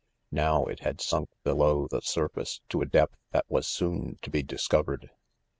Now, it had sunk., below the surface to a depth that was soon to be discovered.